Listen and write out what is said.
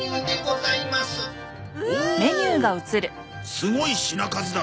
すごい品数だ！